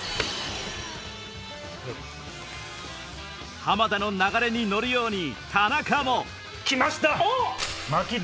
浜田の流れに乗るように田中も来ました！